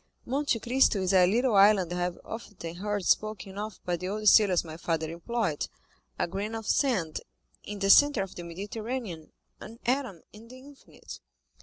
"Monte Cristo is a little island I have often heard spoken of by the old sailors my father employed—a grain of sand in the centre of the Mediterranean, an atom in the infinite."